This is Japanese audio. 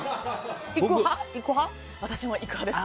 私も行く派です。